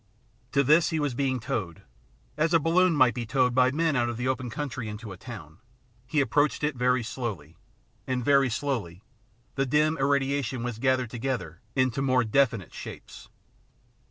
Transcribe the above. To this he was being towed, as a balloon might be towed by men out of the open country into a town. He approached it very slowly, and very slowly the dim irradiation was gathered together into more definite shapes.